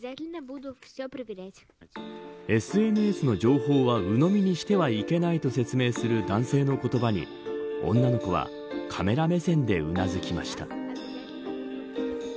ＳＮＳの情報はうのみにしてはいけないと説明する男性の言葉に女の子はカメラ目線で頷きました。